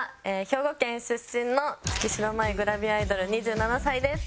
兵庫県出身の月城まゆグラビアアイドル２７歳です。